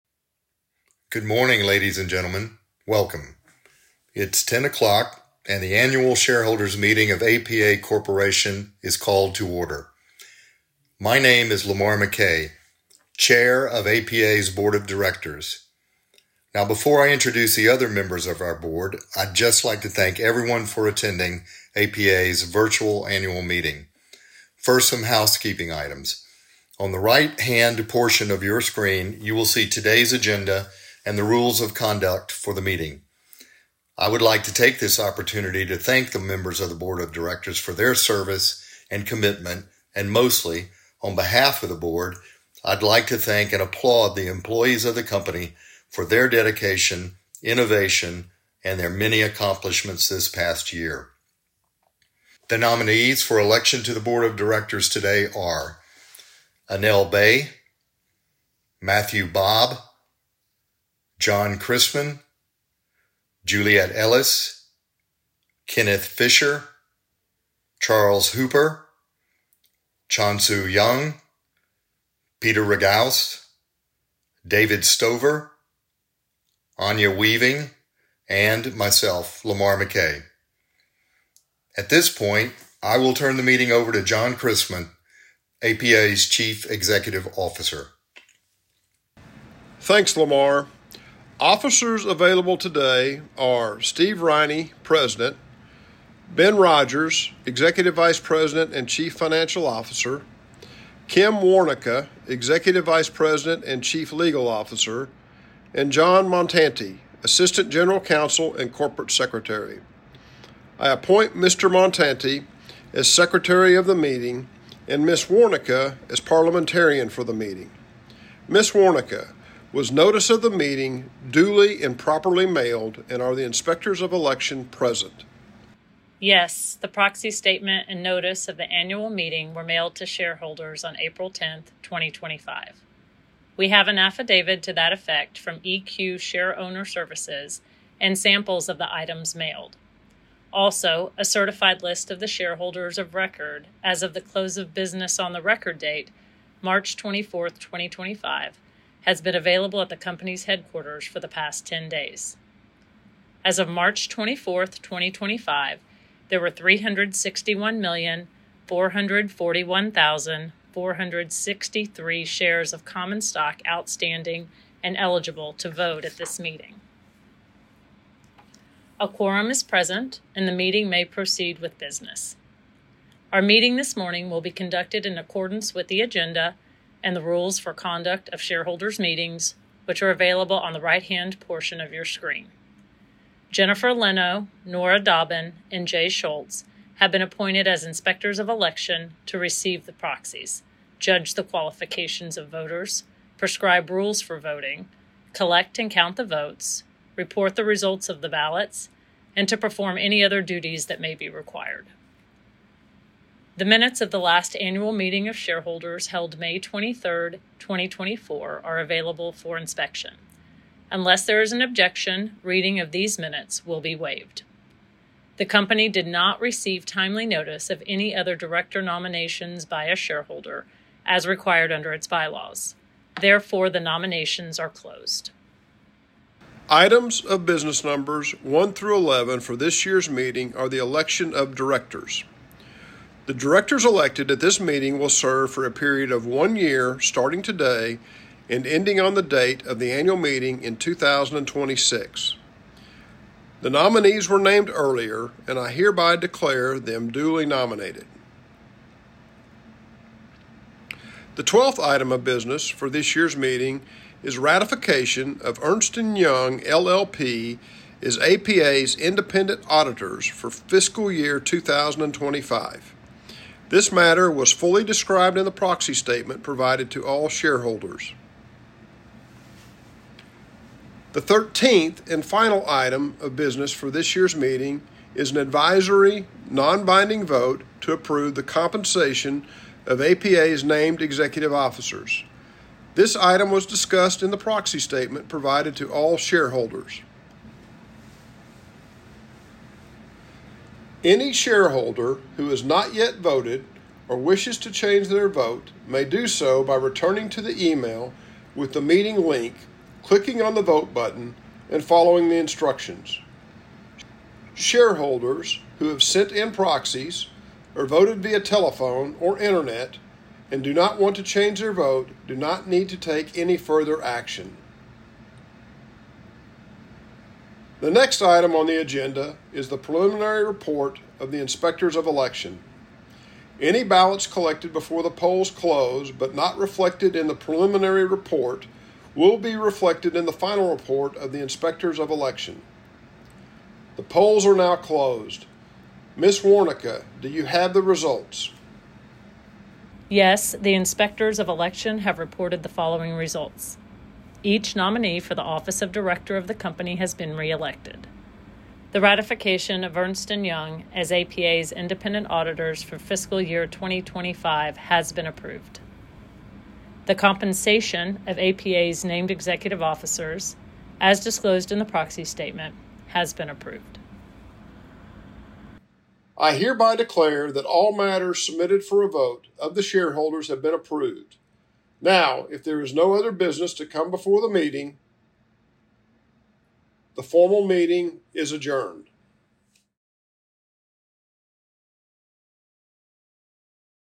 Good morning, ladies and gentlemen. Welcome. It's 10:00 A.M., and the annual shareholders' meeting of APA Corporation is called to order. My name is Lamar McKay, Chair of APA's Board of Directors. Now, before I introduce the other members of our board, I'd just like to thank everyone for attending APA's virtual annual meeting. First, some housekeeping items. On the right-hand portion of your screen, you will see today's agenda and the rules of conduct for the meeting. I would like to take this opportunity to thank the members of the Board of Directors for their service and commitment, and mostly, on behalf of the board, I'd like to thank and applaud the employees of the company for their dedication, innovation, and their many accomplishments this past year. The nominees for election to the Board of Directors today are Annell Bay, Matthew Bob, John Christmann, Juliet Ellis, Kenneth Fisher, Charles Hooper, Chansoo Joung, Peter Ragauss, David Stover, Anya Weaving, and myself, Lamar McKay. At this point, I will turn the meeting over to John Christmann, APA's Chief Executive Officer. Thanks, Lamar. Officers available today are Steve Riney, President, Ben Rodgers, Executive Vice President and Chief Financial Officer, Kim Warnica, Executive Vice President and Chief Legal Officer, and John Montanti, Assistant General Counsel and Corporate Secretary. I appoint Mr. Montanti as Secretary of the Meeting and Ms. Warnica as Parliamentarian for the meeting. Ms. Warnica was notified of the meeting duly and properly mailed, and are the inspectors of election present? Yes. The proxy statement and notice of the annual meeting were mailed to shareholders on April 10th, 2025. We have an affidavit to that effect from EQ Shareowner Services and samples of the items mailed. Also, a certified list of the shareholders of record as of the close of business on the record date, March 24, 2025, has been available at the company's headquarters for the past 10 days. As of March 24, 2025, there were 361,441,463 shares of common stock outstanding and eligible to vote at this meeting. A quorum is present, and the meeting may proceed with business. Our meeting this morning will be conducted in accordance with the agenda and the rules for conduct of shareholders' meetings, which are available on the right-hand portion of your screen. Jennifer Lino, Nora Dobin, and Jay Schultz have been appointed as inspectors of election to receive the proxies, judge the qualifications of voters, prescribe rules for voting, collect and count the votes, report the results of the ballots, and to perform any other duties that may be required. The minutes of the last annual meeting of shareholders held May 23rd, 2024, are available for inspection. Unless there is an objection, reading of these minutes will be waived. The company did not receive timely notice of any other director nominations by a shareholder, as required under its bylaws. Therefore, the nominations are closed. Items of business numbers one through 11 for this year's meeting are the election of directors. The directors elected at this meeting will serve for a period of one year, starting today and ending on the date of the annual meeting in 2026. The nominees were named earlier, and I hereby declare them duly nominated. The 12th item of business for this year's meeting is ratification of Ernst & Young, LLP, as APA's independent auditors for fiscal year 2025. This matter was fully described in the proxy statement provided to all shareholders. The 13th and final item of business for this year's meeting is an advisory, non-binding vote to approve the compensation of APA's named executive officers. This item was discussed in the proxy statement provided to all shareholders. Any shareholder who has not yet voted or wishes to change their vote may do so by returning to the email with the meeting link, clicking on the vote button, and following the instructions. Shareholders who have sent in proxies or voted via telephone or internet and do not want to change their vote do not need to take any further action. The next item on the agenda is the preliminary report of the inspectors of election. Any ballots collected before the polls close but not reflected in the preliminary report will be reflected in the final report of the inspectors of election. The polls are now closed. Ms. Warnica, do you have the results? Yes. The inspectors of election have reported the following results. Each nominee for the office of director of the company has been reelected. The ratification of Ernst & Young as APA's independent auditors for fiscal year 2025 has been approved. The compensation of APA's named executive officers, as disclosed in the proxy statement, has been approved. I hereby declare that all matters submitted for a vote of the shareholders have been approved. Now, if there is no other business to come before the meeting, the formal meeting is adjourned.